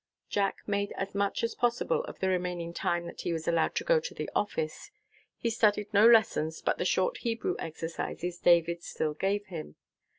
Jack made as much as possible of the remaining time that he was allowed to go to the office. He studied no lessons but the short Hebrew exercises David still gave him.